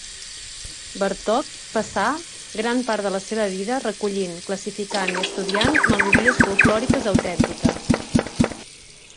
Bartók passà gran part de la seva vida recollint, classificant i estudiant melodies folklòriques autèntiques.